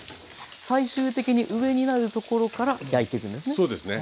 最終的に上になるところから焼いていくんですね。